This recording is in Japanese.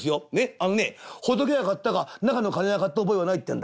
あのね仏は買ったが中の金は買った覚えはないってんだ。